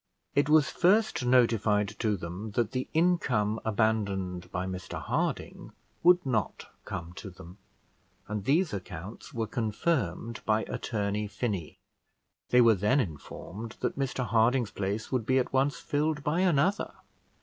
It was first notified to them that the income abandoned by Mr Harding would not come to them; and these accounts were confirmed by attorney Finney. They were then informed that Mr Harding's place would be at once filled by another.